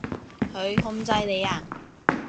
佢控制你呀？